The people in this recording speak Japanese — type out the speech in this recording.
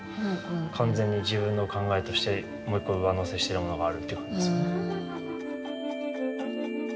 完全に自分の考えとしてもう１個上乗せしてるものがあるっていう。